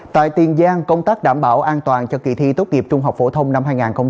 tại tiền giang công tác đảm bảo an toàn cho kỳ thi tốt nghiệp trung học phổ thông năm hai nghìn hai mươi